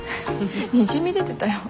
にじみ出てたよ。